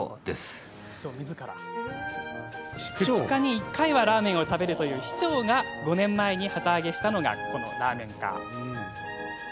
２日に１回はラーメンを食べるという市長が５年前に旗揚げしたのがラーメン課。